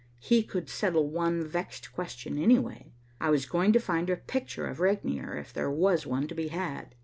He could settle one vexed question anyway. I was going to find a picture of Regnier if there was one to be had.